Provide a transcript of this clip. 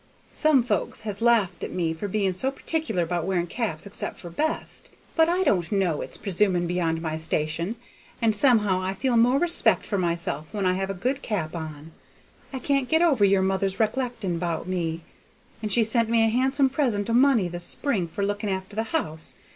Some folks has laughed at me for being so particular 'bout wearing caps except for best, but I don't know's it's presuming beyond my station, and somehow I feel more respect for myself when I have a good cap on. I can't get over your mother's rec'lecting about me; and she sent me a handsome present o' money this spring for looking after the house.